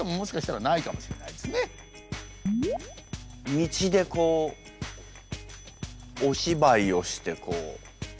道でこうお芝居をしてこう。